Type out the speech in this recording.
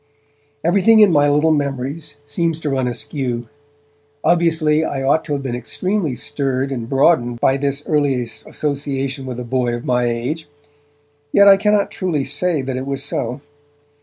Everything in my little memories seems to run askew; obviously I ought to have been extremely stirred and broadened by this earliest association with a boy of my own age! Yet I cannot truly say that it was so.